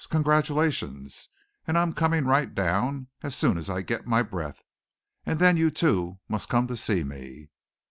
Congratulations. And I am coming right down as soon as I get my breath. And then you two must come to see me.